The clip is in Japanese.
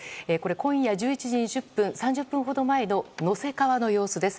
今夜１１時２０分３０分ほど前の能勢川の様子です。